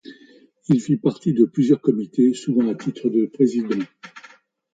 Il fit partie de plusieurs comités, souvent à titre de président.